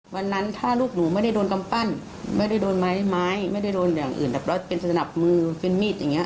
วันนั้นถ้าลูกหนูไม่ไหว้ได้โดนกำเป้าหน้าไมไม้ไม่เป็นสนับมือมีดถึงเนี่ย